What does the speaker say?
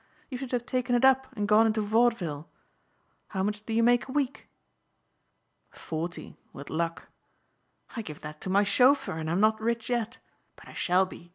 You should have taken it up and gone into vaudeville. How much do you make a week?" "Forty with luck." "I give that to my chauffeur and I'm not rich yet. But I shall be.